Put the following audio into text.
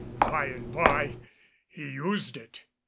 By and by he used it.